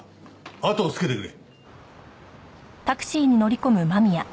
あとをつけてくれ。